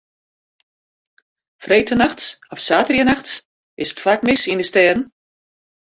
Freedtenachts of saterdeitenachts is it faak mis yn de stêden.